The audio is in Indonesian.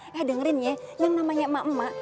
saya dengerin ya yang namanya emak emak